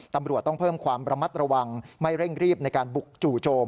ตำรวจต้องเพิ่มความระมัดระวังไม่เร่งรีบในการบุกจู่โจม